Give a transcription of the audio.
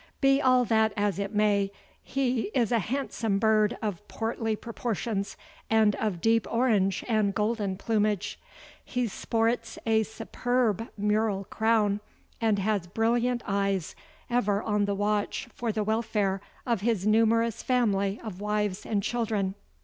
Be all that as it may, he is a handsome bird of portly proportions and of deep orange and golden plumage. He sports a superb mural crown and has brilliant eyes ever on the watch for the welfare of his numerous family of wives and children.